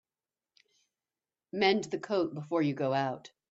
Mend the coat before you go out.